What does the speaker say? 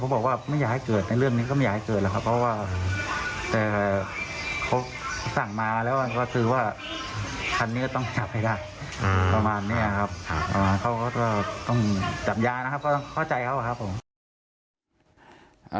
ประมาณนี้ครับเขาก็ต้องจับยานะครับก็ต้องเข้าใจเขาครับผม